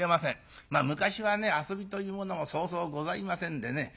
昔はね遊びというものもそうそうございませんでね。